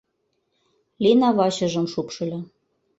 — Лина вачыжым шупшыльо.